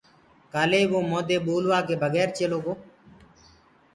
ڪآلي وو موندي ٻولوآ ڪي بگير چيلو گو؟